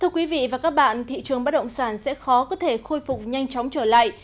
thưa quý vị và các bạn thị trường bất động sản sẽ khó có thể khôi phục nhanh chóng trở lại